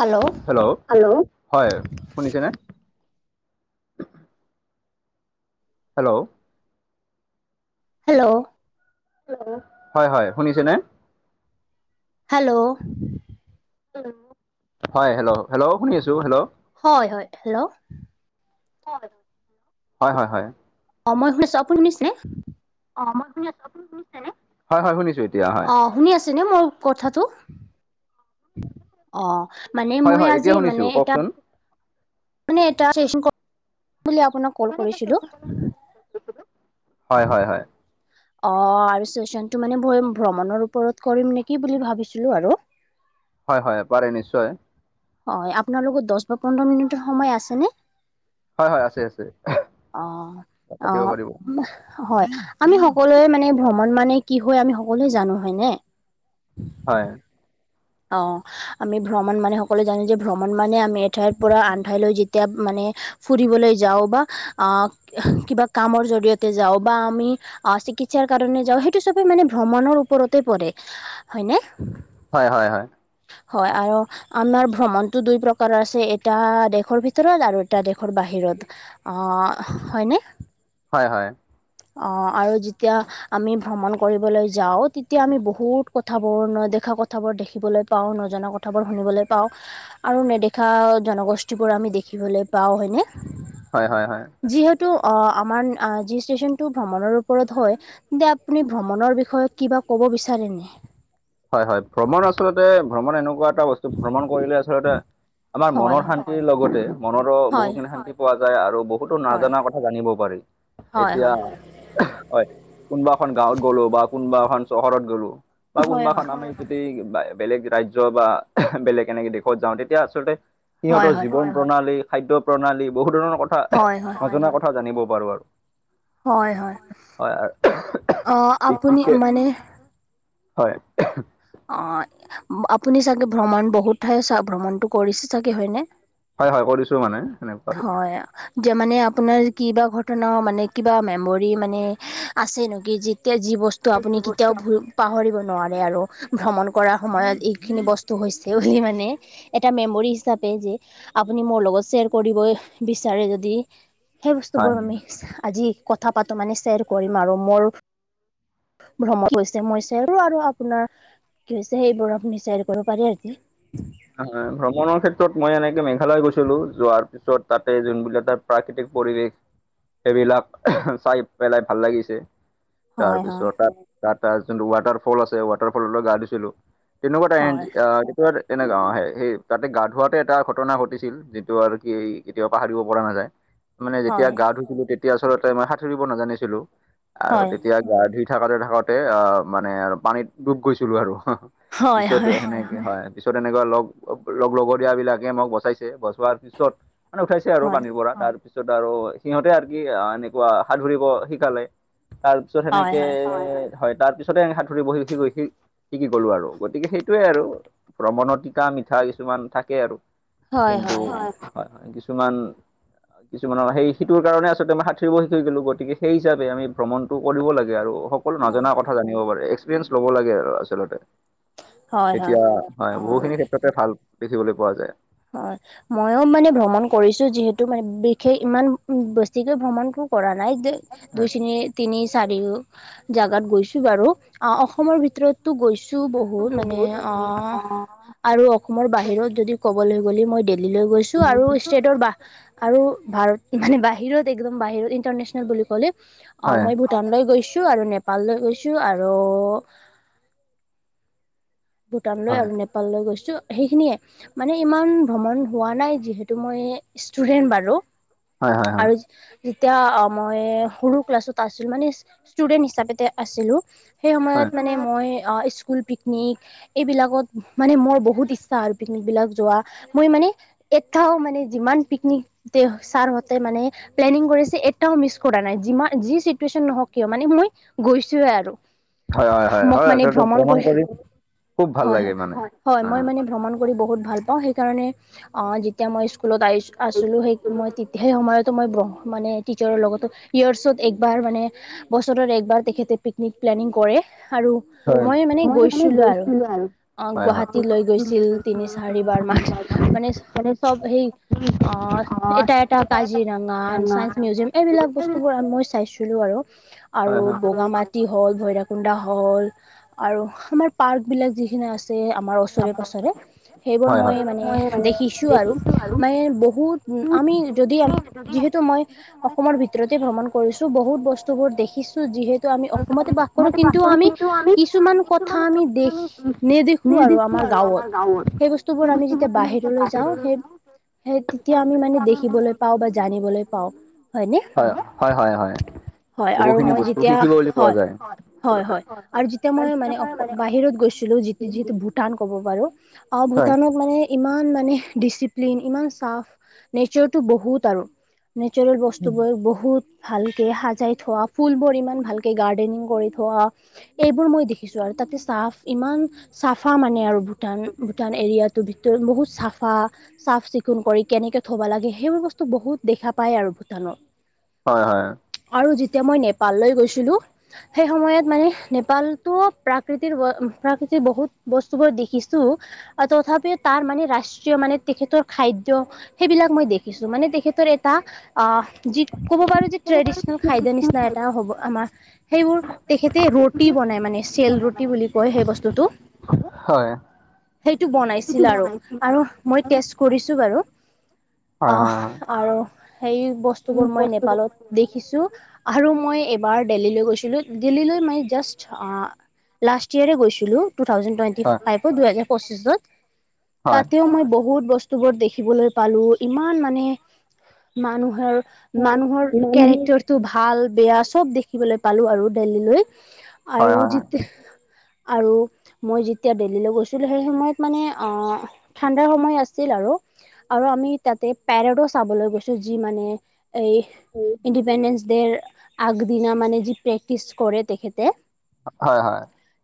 Hello hello hello হয়, শুনিছে নে? হেল্লৌ' হেল্লৌ' হয় হয়, শুনিছেনে? হেল্লৌ' হেল্লৌ' হয়, হেল্ল হেলৌ' শুনি আছো হেলৌ' হয় হয় হেল্ল' হয় হয় হয়। অঁ মই শুনিছো, আপুনি শুনিছেনে? অঁ মই শুনি আছো, আপুনী শুনিছেনে? হয় হয়, শুনিছো এতিয়া হয়। অঁ শুনি আছেনে মোৰ কথাটো? অঁ মানে হয় মই হয় এতিয়া আজি শুনিছোঁ মানে এটা- কওকচোন মানে এটা চেচন কম বুলি আপোনাক কল কৰিছিলো। হয় হয় হয়। অঁ আৰু চুৱেচনটো মানে ভ্ৰমণৰ ওপৰত কৰিম নেকি বুলি ভাবিছিলোঁ আৰু। হয় হয়, পাৰে নিশ্চয়। হয়, আপোনাৰ লগত দহ বা পোন্ধৰ মিনিট সময় আছে নে? হয় হয়, আছে আছে। অঁ পাতিব অঁ' পাৰিব হয়, আমি সকলোৱে মানে ভ্ৰমণ মানে কি হয় আমি সকলোৱে জানো হয় নে? হয়। অঁ আমি ভ্ৰমণ মানে সকলোৱে জানো যে ভ্ৰমণ মানে আমি এঠাইৰ পৰা আন ঠাইলৈ যেতিয়া- মানে ফুৰিবলৈ যাওঁ বা কিবা কামৰ জৰিয়তে যাওঁ বা আমি- অঁ চিকিৎসাৰ কাৰণে যাওঁ সেইটো চবে মানে ভ্ৰমণৰ ওপৰতে পৰে হয়নে? হয় হয় হয়। হয় আৰু- আমাৰ ভ্ৰমণটো দুই প্ৰকাৰৰ আছে এটা দেশৰ ভিতৰত আৰু এটা দেশৰ বাহিৰত। অঁ হয়নে? হয় হয়। অঁ' আৰু যিতিয়া- আমি ভ্ৰমণ কৰিবলৈ যাওঁ তেতিয়া আমি বহুত কথাবোৰ নদেখা কথাবোৰ দেখিবলৈ পাওঁ, নজনা কথা- থাবোৰ শুনিবলৈ পাওঁ। আৰু নেদেখা জনগোষ্ঠীবোৰ আমি দেখিবলৈ পাওঁ হয়নে? হয় হয় হয়। যিহেতু, অঁ আমাৰ যি ষ্টেচনটো ভ্ৰমণৰ ওপৰত হয়- যে আপুনি ভ্ৰমণৰ বিষয়ে কিবা ক'ব বিচাৰেনে? হয় হয়, ভ্ৰমণ আচলতে ভ্ৰমণ এনেকুৱা এটা বস্তু ভ্ৰমণ কৰিলে আচলতে- আমাৰ হয় মনৰ শান্তিৰ লগতে মনৰো হয় বহুতখিনি শান্তি পোৱা যায়। আৰু বহুতো হয় নাজানা কথা জানিব পাৰি। হয় এতিয়া। হয় হয়। কোনোবা এখন গাঁৱত গ'লো বা কোনোবা এখন চহৰত গ'লো বা হয় কোনোবা হয় এখন আমি যদি বেলেগ ৰাজ্য বা বেলেগ এনেকে দেশত যাওঁ তেতিয়া আচলতে। সিহঁতৰ হয় হয় জীৱন প্ৰণালী, খাদ্য প্ৰণালী, বহুত ধৰণৰ কথা হয় হয় নজনা কথা জানিব পাৰো আৰু। হয় হয় হয় অ আৰু আপুনি ঠিকে মানে হয়। অ' আপুনি চাগে ভ্ৰমণ বহুত ঠাই চা ভ্ৰমণতটো কৰিছে চাগে হয়নে? হয় হয় কৰিছো মানে সেনেকা। হয়। যে মানে আপোনাৰ কিবা ঘটনা মানে কিবা মেমৰি মানে আছে নেক? যেতিয়া যি বস্তু ত' আপুনি কেতিয়াও ভুল পাহৰিব নোৱাৰে আৰু, ভ্ৰমণ কৰ সময়ত এইখিনি বস্তু হৈছে বুলি মানে এটা মেমৰি হিচাপে যে আপুনি মোৰ লগত শ্বেয়াৰ কৰিব বিচাৰে যদি সেই হয় বস্তুবোৰ আমি আজি কথা পাতো মানে শ্বেয়াৰ কৰিম আৰু, মোৰ ভ্ৰমণ হৈছে মইছে আৰু আৰু আপোনাৰ কি হৈছে সেই বৰফ নিচেৰি কৰিব পাৰে আজি। হয় ভ্ৰমণৰ ক্ষেত্ৰত মই এনেকে মেঘালয় গৈছিলো, যোৱাৰ পিছত তাতে যোনবিলাক তাত। প্ৰাকৃতিক পৰিৱেশ সবিলাক চাই পেলাই ভাল লাগিছে। হয় হয় তাৰপিছত তাত তাত তাত যোনটো ৱাটাৰ ফল আছে, ৱাটাৰ ফললৈ গা ধুছিলো। তেনেকুৱা এটা এনটি হয় অ তেনেকুৱা ত। তেনেকুৱা অ' সে সেই তাতে গা ধোৱাতে এটা ঘটনা ঘটিছিল, যিটো আৰু কি কেতিয়াবা পাহৰিব পৰা নাযায়। মানে যেতিয়া হয় গা ধুইছিলো তেতিয়া আচলতে মই সাঁতুৰিব নাজানিছিলো। আৰু হয় হয় তেতিয়া গা ধুই থাকোতে থাকোতে অ মানে আৰু পানীত ডুব গৈছিলো আৰু হয় পিছত হয় সেনেকে হয় পিছত এনেকুৱা লগ লগ লগৰিয়া বিলাকে মোক বচাইছে, বচোৱাৰ পিছত মানে উঠাইছে আৰু হয় পানীৰ পৰা। তাৰ তাৰপিছত আৰু সিহঁতে আৰু কি এনেকুৱা সাতুৰিব শিকালে। তাৰ পিছত হয় সেনেকে হয়। হয় তাৰ পিছতে এ সাতুৰিব শি শিকি গ'লো আৰ, গতিক সেইটোয়ে আৰু। ভ্ৰমণৰ তিতা মিঠা কিছুমান থাকে আৰু, কিন্তু হয় হয় কিছুমান কিছুমানৰ সেই সিটোৰ কাৰণে আচলতে আমি সাতুৰিব শিকি গ'লো, গতিকে হিচাপে আমি ভ্ৰমণটো কৰিব লাগে আৰু। অকল হয় নজনা কথা জানিব পাৰে এক্সপিৰিয়েন্ঞ্চ লব লাগে আৰু আচলতে। হয় হয় এতিয়া হয় অ বহুখিনি ক্ষেত্ৰতে ভাল দেখিবলৈ পোৱা যায়। হয় ময়ও মানে ভ্ৰমণ কৰিছো যিহেতু মানে বিশেষ ইমান বেছিকৈ ভ্ৰমণ কৰ কৰা নাই। তে দুই হয় শিনি তিনি চাৰি জাগাত গৈছো বাৰু অ অসমৰ ভিতৰতো গৈছো। তো বহু মানে অ আৰু অসমৰ বাহিৰত যদি ক'বলৈ গ'লে মই দিল্লীলৈ গৈছো। আৰু ষ্টেটৰ বাহ আৰু ভাৰত মানে বাহিৰত একদম বাহিৰত ইন্টাৰনেচনেল বুলি ক'লে অ হয় মই ভূটানলৈ গৈছো আৰু নেপাললৈ গৈছো। আৰু ভূটান লৈ হয় আৰু নেপাল লৈ গৈছো। সেইখিনিয়ে মানে ইমান ভ্ৰমণ হোৱা নাই, যিহেতু মই ষ্টুডেন্ট বাৰু হয় হয় হয় আৰু যি যেতিয়া মই সৰু ক্লাছত আছিলোঁ, মানে ষ্টুডেন্ট হিচাপেতে আছিলোঁ! সেই সময়ত হয় মানে মই অ' স্কুল পিকনিক। এইবিলাকত মানে মোৰ বহুত ইচ্ছা আৰু পিকনিক বিলাকত যোৱা। মই মানে- এটাও মানে যিমান পিকনিক [inaudible] ছাৰহঁতে মানে- প্লেনিং কৰিছে এটাও মিছ কৰা নাই, যিমান যি চিটুৱেচন নহওঁক কিয় মানে মই- গৈছোয়ে আৰু। হয় হয় হয় হয় মোক মানে আচলতে ভ্ৰমণ কৰি খুব ভাল লাগে হয়-হয়। মানে অ হয়, মই মানে ভ্ৰমণ কৰি বহুত ভাল পাওঁ সেইকাৰণে অঁ', যে- তিয়া মই স্কুলত আহ আছিলোঁ সেই মই তেতিয়া সেই সময়তো মই ব্ৰ- মানে টিচাৰৰ লগতো ইয়াৰ্চত- একবাৰ মানে বছৰত একবাৰ তেখেতে পিকনিক প্লেনিং কৰে, আৰু- মই মানে গৈছিলো আৰু। [inaudible] অঁহ', হয় গুৱাহাটী হয় লৈ গৈছিল তিনি-চাৰিবাৰ মান, মানে চব সেই- অঁহ', এটা-এটা কাজিৰঙা, চাইন্স মিউজিয়াম এইবিলাক বস্তুবোৰ মই চাইছিলোঁ আৰু। আৰু বগামাটি হ'ল, ভৈৰাকুণ্ডা হ'ল, আৰু আমাৰ পাৰ্ক- বিলাক যিখিনি আছে আমাৰ ওচৰে-পাছৰে আৰু সেইবোৰ মই মানে দেখি- ছো আৰু। মানে বহুত আমি যদি যিহেতু মই- অসমৰ ভিতৰতে ভ্ৰমণ কৰিছোঁ, বহুত বস্তুবোৰ দেখিছোঁ, যিহেতু আমি অসমতে বাস কৰোঁ কিন্তু আমি- কিছুমান কথা আমি দেখ-নেদেখোঁ আৰু আমাৰ গাঁৱত। সেই বস্তুবোৰ আমি- তেতিয়া বাহিৰলৈ যাওঁ, সেই, সেই তেতিয়া আমি মানে দেখিবলৈ পাওঁ বা জানিবলৈ পাওঁ। হয়নে হয়, হয়-হয়-হয়। হয় আৰু বহুখিনি মই বস্তু যেতিয়া শিকিব বুলি পোৱা হয় যায়। হয় হয় আৰু যেতিয়া মই মানে [unintelligible] বাহিৰত গৈছিলোঁ, যি যিটো ভূটান ক'ব পাৰোঁ। অঁ', হয় ভূটানত মানে- ইমান মানে ডিচিপ্লিন, ইমান চাফ, নেচাৰটো বহুত আৰু। নেচাৰেল বস্তুবোৰ বহুত- ভালকে সাজাই থোৱা, ফুলবোৰ ইমান ভালকে গাৰ্ডেনিং কৰি থোৱা। এইবোৰ মই দেখিছোঁ আৰু, তা'তে চাফ ইমান চাফা মানে আৰু। ভূটান, ভূটান এৰিয়াটো ভিতৰত বহুত চাফা। চাফ-চিকুণ কৰি কেনেকে থ'ব লাগে সেইবোৰ বস্তু বহুত দেখা পায় আৰু ভূটানত। হয়-হয়। আৰু যেতিয়া মই নেপাললৈ গৈছিলোঁ। সেই সময়ত মানে নেপালতটো প্ৰাকৃতিৰ - প্ৰাকৃতিৰ বহুত বস্তুবোৰ দেখিছোঁ। অ' তথাপিও তাৰ মানে ৰাষ্ট্ৰীয় মানে তেখেতৰ খাদ্য- সেইবিলাক মই দেখিছোঁ, মানে তেখেতৰ এটা আহ', যি ক'ব পাৰোঁ যে ট্ৰেডিচনেল খাদ্য নিচি- না, এটা হ'ব আমাৰ সেইবোৰ তেখেতে ৰুটি বনাই মানে চেল ৰুটি বুলি কয়, সেই বস- টোতো। হয়। সেইটো বনাইছিল আৰু, আৰু মই টেষ্ট কৰিছোঁ বাৰু। হয় হয় অহ', হয় আৰু সেই বস্তুবোৰ মই নেপালত- দেখিছোঁ। আৰু মই এইবাৰ দেল্লীলৈ গৈছিলোঁ, দিল্লীলৈ মানে জাষ্ট আঁহ- লাষ্ট ইয়েৰে গৈছোঁ। [inaudible] টু থাউজেণ্ড টুৱেনটি হয় ফাইভত, দুহেজাৰ পঁছিশত হয় তা'তেও মই বহুত - বস্তুবোৰ দেখিবলৈ পালোঁ। ইমান মানে মানুহৰ- মানুহৰ কেৰেক্টাৰ- টো ভাল-বেয়া চব দেখিবলৈ পালোঁ আৰু দেল্লীলৈ। হয় আৰু হয় যি- আৰু মই যেতিয়া দেল্লীলৈ গৈছিলোঁ, সেই সময়ত মানে অঁহ', - ঠাণ্ডাৰ সময় আছিল আৰু। আৰু আমি তাতে পেৰডো চাবলৈ গৈছো যি মানে- এই ইণ্ডিপেণ্ডেন্স ডেৰ আগদিনা মানে যি প্ৰেক্টিছ কৰে তেখেতে- হয়, হয়।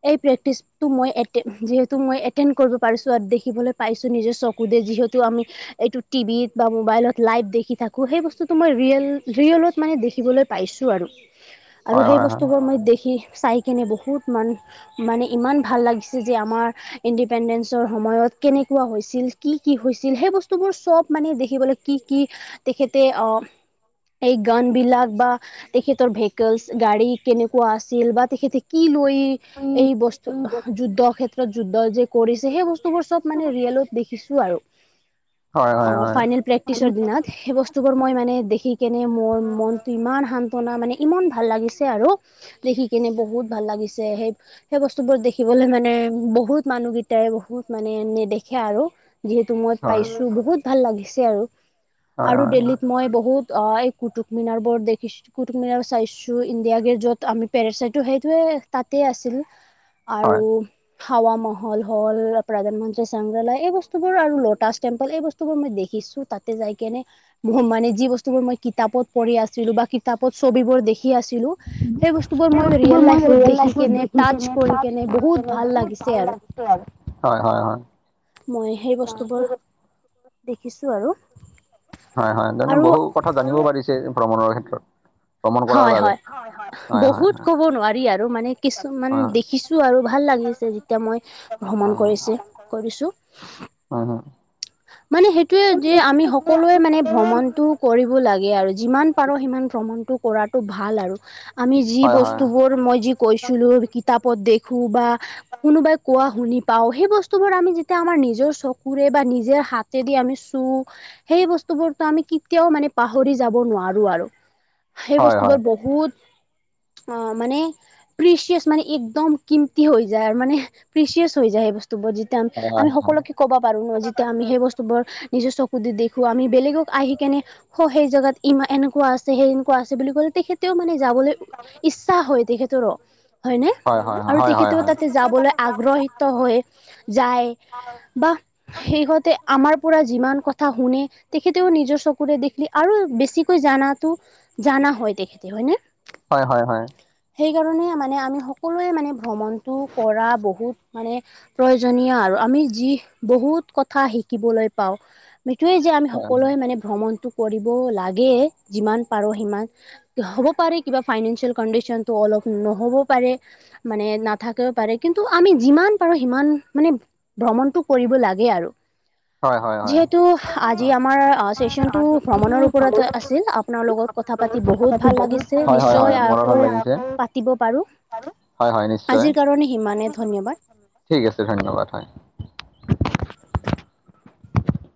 এই প্ৰেক্টিছ- তো মই এটে যিহেতু মই এটেন কৰিব পাৰিছো আৰু দেখিবলৈ পাইছো নিজে চকুদিয়ে যিহেতু আমি- এইটো টিভিত বা মোবাইলত লাইভ দেখি থাকো সেই বস্তুটো মই ৰিয়েল ৰিয়েলত মানে দেখিবলৈ- পাইছো আৰু। [inaudible] আৰু সেই বস্তুবোৰ হয় মই দেখি চাই কিনে বহুত মান- মানে ইমান ভাল লাগিছে যে আমাৰ- ইণ্ডিপেণ্ডেঞ্চৰ সময়ত কেনেকুৱা হৈছিল কি কি হৈছিল? সেই বস্তুবোৰ চব মানে দেখিবলৈ- কি কি তেখেতে অঁ এই গন বিলাক বা- তেখেতৰ ভেকলছ গাড়ী কেনেকুৱা আছিল বা তেখেতে কি লৈ- এই বস্তু যুদ্ধৰ ক্ষেত্ৰত যুদ্ধ যে কৰিছে, সেই বস্তুবোৰ চব মানে ৰিয়েলত দেখিছোঁ আৰু। হয়, হয়, হয়। টিছৰ দিনত, সেই বস্তুবোৰ মই মানে দেখি কেনে মোৰ মনটো ইমান সান্তনা মানে ইমান ভাল লাগিছ- ছে আৰু দেখি কিনে বহুত ভাল লাগিছে সেই- টো দেখিবলৈ মানে বহুত মানুহগিটাই বহুত মানে নেদেখে আৰু। যিহেতু মই হয় পাইছো হয় বহুত ভাল লাগিছে আৰু হয় হয় হয় আৰু দেহ্লীত হয় মই বহুত- অঁ' এই কুটুবমিনাৰ বোৰত দেখিছো। কুটুম মিনাৰ চাইছোঁ, ইণ্ডিয়া গেট য'ত আমি পেৰাচাইটো সেইটোৱে তাতেই আছিল। আৰু- হাৱা মহল হ'ল প্ৰধানমন্ত্ৰী সংগ্ৰালয় এই বস্তুবোৰ আৰু ল'টাচ টেম্পল এই বস্তু- টোবোৰ মই দেখিছো তাতে যাই কেনে। মানে যি বস্তু বোৰ মই কিতাপত পঢ়ি আছিলো বা কিতাপত ছবিবোৰ দেখি আছি- ছিলো সেই বস্তুবোৰ মই ৰিয়েল লাইফত দেখি কেনে- টাজ কৰি কেনে বহুত ভাল লাগিছে আৰু। [unintelligible] হয়। মই সেই বস্তুবোৰ দেখিছো আৰু। হয় হয়, তেনে আৰু বহু কথা জানিব পাৰিছে ভ্ৰমণৰ ক্ষেত্ৰত ভ্ৰমণ কৰাৰ হয় বাবে। হয় হয় হয় বহুত হয়। ক'ব নোৱাৰি আৰু মানে কিছুমান হয়। দেখিছো আৰু ভাল লাগিছে যেতিয়া মই- ভ্ৰমণ কৰিছে কৰিছো। হয় হয়। মানে সেইটোৱে যে আমি সকলোৱে মানে ভ্ৰমণটো কৰিব লাগে আৰু যিমান পাৰোঁ সিমান ভ্ৰমণটো কৰাত- তো ভাল আৰু। আমি যি হয় হয়। বস্তুবোৰ মই যি কৈছিলো কিতাপত দেখো বা- কোনোবাই কোৱা শুনি পাওঁ। সেই বস্তুবোৰ আমি যেতিয়া আমাৰ নিজৰ চকুৰে বা নিজ- যে হাতেদি আমি চুও- সেই বস্তুবোৰতো আমি কেতিয়াও মানে পাহৰি যাব নোৱাৰো আৰু। সেই বস্তুবোৰ বহুত অঁ' মানে- প্ৰিচিয়েচ মানে একদম কিমতি হৈ যায় আৰু মানে প্ৰিচিয়াছ হৈ যায় সেই বস্তুবোৰ। আমি সকলোকে ক'ব পাৰো ন যি- হেতো আমি সেই বস্তু বোৰ নিজৰ চকু দি দেখো আমি বেলেগক আহি কেনে স সেই জেগাত- ইমা এনেকুৱা আছে সেনেকুৱা আছে বুলি কলে তেখেতেও মানে যাবলৈ ইচ্ছা হয় তেখেতৰো। হয়নে? হয় হয় আৰু হয় হয় হয় তেখেতেও তাতে যাবলৈ আগ্ৰহী- ত হৈ যায় বা- সেইঁতে আমাৰ পৰা যিমান কথা শুনে তেখেতেও নিজৰ চক চকুৰে দেখি আৰু বেছিকৈ জানাটো জানা হয় তেখেতে হয় নে? হয়, হয়, হয়। সেইকাৰণে মানে আমি সকলোৱে মানে ভ্ৰমণটো কৰা বহুত মানে প্ৰয়োজনীয় আৰু আমি যি বহুত কথা শিকিবলৈ পাওঁ। সেইটোৱে যে আমি সকলোৱে মানে ভ্ৰমণতটো কৰিব লাগে যিমান পাৰো সিমান হ'ব পাৰে কিবা ফাইনেঞ্চিয়েল কণ্ডিশনটো অলপ নহ'ব পাৰে মানে নাথাকিবও পাৰে কিন্তু আমি যিমান পাৰো সিমান মানে ভ্ৰমণতটো কৰিব লাগে এইয়া আৰু হয় হয় হয় হয় হয় হয় হয়। যিহেতু ভ্ৰমণৰ আজি আমাৰ চেচন টো ভ্ৰমণৰ ওপৰত আছিল আপোনাৰ লগত কথা পাতি বহুত ভাল লাগিছে হয় হয় হয় নিশ্চয় মোৰো আকৌ ভাল লাগিছে। পাতিব পাৰো হয় হয় নিশ্চয় আজিৰ কাৰণে সিমানে ধন্যবাদ ঠিক আছে ধন্যবাদ হয়